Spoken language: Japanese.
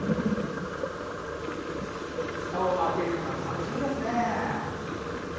ふたを開けるのが楽しみですね。